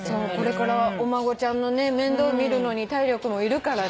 これからお孫ちゃんの面倒見るのに体力もいるからね。